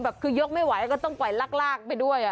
แบบคือยกไม่ไหวก็ต้องปล่อยลากไปด้วย